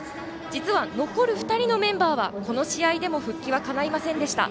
実は、残る２人のメンバーはこの試合でも復帰はかないませんでした。